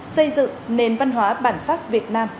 xây dựng nền văn hóa bản sắc việt nam